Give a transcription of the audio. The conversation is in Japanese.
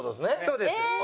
そうです。